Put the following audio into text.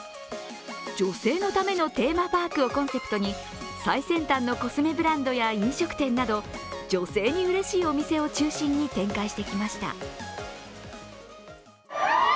女性のためのテーマパークをコンセプトに、最先端のコスメブランドや飲食店など、女性にうれしいお店を中心に展開してきました。